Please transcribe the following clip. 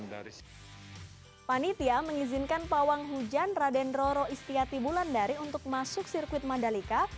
panitia mengizinkan pawang hujan radendroro istiati bulandari untuk masuk sirkuit madalika